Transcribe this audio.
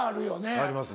ありますね。